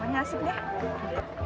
pokoknya asik deh